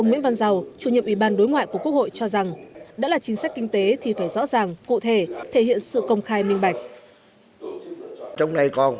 ubthqh cho rằng đã là chính sách kinh tế thì phải rõ ràng cụ thể thể hiện sự công khai minh bạch